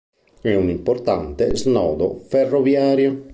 È un importante snodo ferroviario.